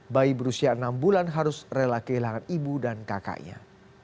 bayi berusia enam bulan harus rela kehilangan ibu dan kakaknya